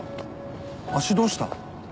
足どうした？